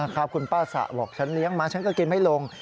คุณป้าสะบอกฉันเลี้ยงมาฉันก็กินไม่ลง